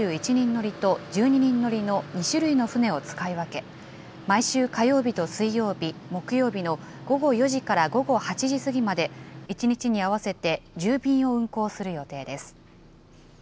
潮位によって、４１人乗りと１２人乗りの２種類の船を使い分け、毎週火曜日と水曜日、木曜日の午後４時から午後８時過ぎまで、１日に合わせて１０便を運航する予定です。